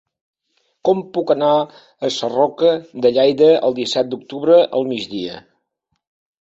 Com puc anar a Sarroca de Lleida el disset d'octubre al migdia?